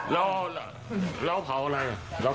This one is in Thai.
ก็รอเขามารับ